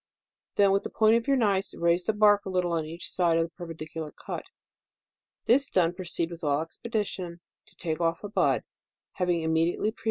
Then with the point of your knife, raise the bark a little on each side of the per pendicular cut. u This done, proceed with all expedition, to take off a bud, having immediately previ* $ 2 'J10 DECEMBER.